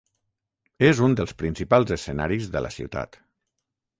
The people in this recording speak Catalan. És un dels principals escenaris de la ciutat.